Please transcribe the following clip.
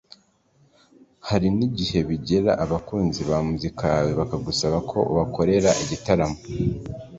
Hari n’ igihe bigera abakunzi ba muzika yawe bakagusaba ko wabakorera igitaramo